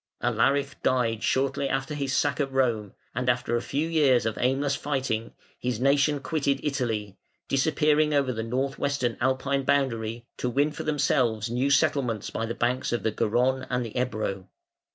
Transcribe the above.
] Alaric died shortly after his sack of Rome, and after a few years of aimless fighting his nation quitted Italy, disappearing over the north western Alpine boundary to win for themselves new settlements by the banks of the Garonne and the Ebro.